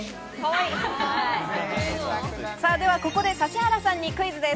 ここで指原さんにクイズです。